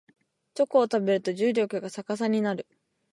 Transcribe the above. チョコを食べると重力が逆さになる